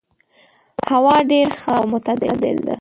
هوا ډېر ښه او معتدل ده.